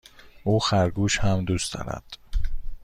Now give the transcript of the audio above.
او خرگوش هم دوست دارد.